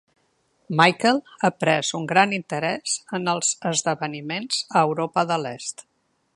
Michael ha pres un gran interès en els esdeveniments a Europa de l'Est.